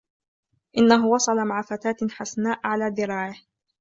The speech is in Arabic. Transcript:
إنهُ وصل مع فتاة حسناء علي ذراعهُ.